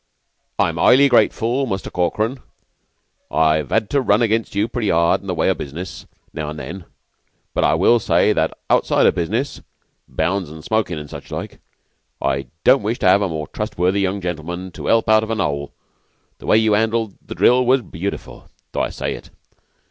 "I'm 'ighly grateful, Muster Corkran. I've 'ad to run against you pretty hard in the way o' business, now and then, but I will say that outside o' business bounds an' smokin', an' such like I don't wish to have a more trustworthy young gentleman to 'elp me out of a hole. The way you 'andled the drill was beautiful, though I say it.